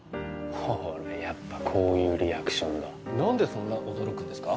ほーれやっぱこういうリアクションだ何でそんな驚くんですか？